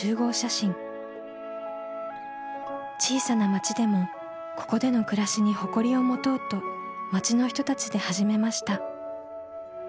小さな町でもここでの暮らしに誇りを持とうと町の人たちで始めました。